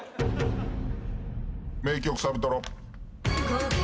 名曲サビトロ。